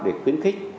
để khuyến khích